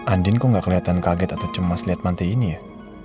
andin kok gak keliatan kaget atau cemas liat manti ini ya